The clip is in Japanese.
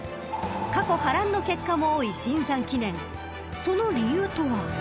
［過去波乱の結果も多いシンザン記念その理由とは］